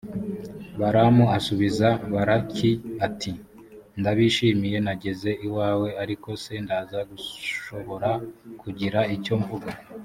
balamu asubiza balaki, ati «ndabishimye nageze iwawe, ariko se ndaza gushobora kugira icyo mvuga.